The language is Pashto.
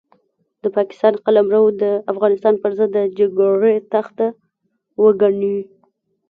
د پاکستان قلمرو د افغانستان پرضد د جګړې تخته وګڼي.